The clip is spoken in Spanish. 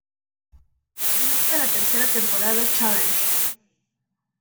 El segmento de la tercera temporada Challenge!